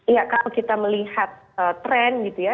iya kalau kita melihat tren gitu ya